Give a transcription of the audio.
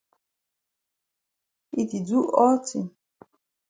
E di do all tin.